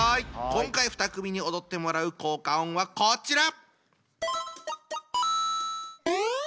今回２組に踊ってもらう効果音はこちら！